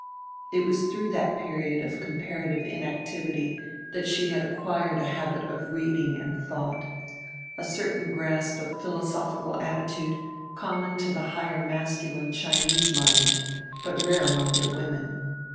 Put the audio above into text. It was through that period of comparative inactivity that she acquired a habit of reading and thought, a certain grasp of philosophical attitude, common to the higher masculine Chinese mind but rare among their women.